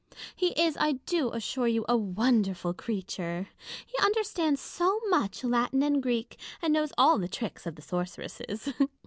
He is, I do assure you, a wonderful creature : he understands so much Latin and Greek, and knows all the tricks of the sorceresses.